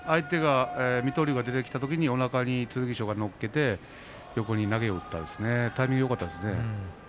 水戸龍が出て来たときに剣翔がおなかに乗っけて横に投げを打ちましたタイミングがよかったですね。